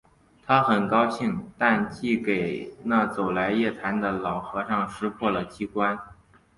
他很高兴；但竟给那走来夜谈的老和尚识破了机关